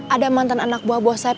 ada mantan anak buah bos saeb